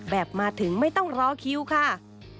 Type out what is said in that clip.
แบบมาถึงไม่ต้องรอคิวค่ะ